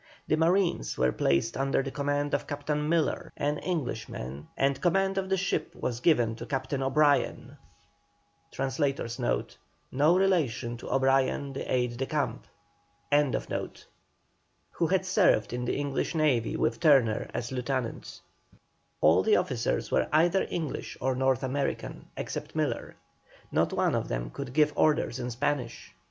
The marines were placed under the command of Captain MILLER, an Englishman, and command of the ship was given to Captain O'Brien, who had served in the English navy, with Turner as lieutenant. All the officers were either English or North Americans, except Miller; not one of them could give orders in Spanish.